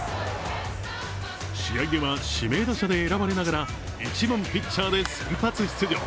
試合では指名打者で選ばれながら、１番・ピッチャーで先発出場。